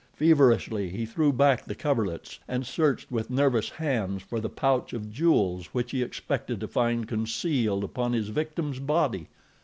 Feverishly he threw back the coverlets, and searched with nervous hands for the pouch of jewels which he expected to find concealed upon his victim's body.